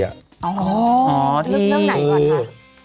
เอาเรื่องไหนก่อนค่ะ